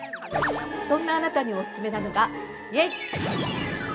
◆そんなあなたに、お勧めなのがえいっ！